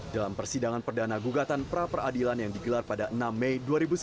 dalam persidangan perdana gugatan pra peradilan yang digelar pada enam mei dua ribu sembilan belas